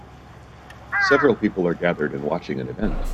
Several people are gathered and watching an event.